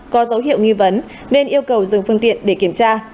có dấu hiệu nghi vấn nên yêu cầu dừng phương tiện để kiểm tra